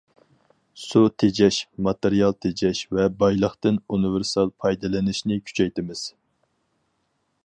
سۇ تېجەش، ماتېرىيال تېجەش ۋە بايلىقتىن ئۇنىۋېرسال پايدىلىنىشنى كۈچەيتىمىز.